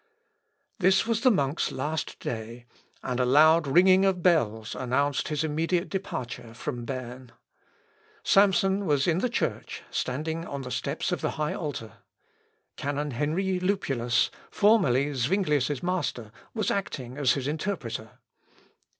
This was the monk's last day, and a loud ringing of bells announced his immediate departure from Berne. Samson was in the church standing on the steps of the high altar. Canon Henry Lupulus, formerly Zuinglius's master, was acting as his interpreter.